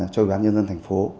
cho bán nhân dân thành phố